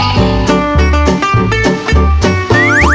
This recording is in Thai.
กินล้าง